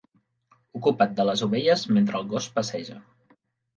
Ocupa't de les ovelles mentre el gos passeja.